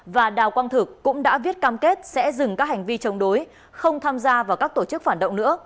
và đào quang thực cũng đã viết cam kết sẽ dừng các hành vi chống đối không tham gia vào các tổ chức phản động nữa